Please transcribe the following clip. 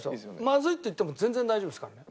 「まずい」って言っても全然大丈夫ですからね。